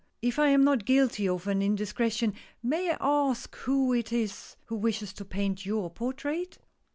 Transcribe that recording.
If I am not guilty of an indiscretion, may I ask who it is who wishes to paint your portrait